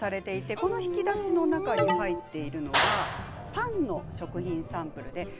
こちらの引き出しに入っているのはパンの食品サンプル。